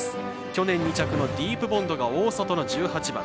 去年２着のディープボンドが大外の１８番。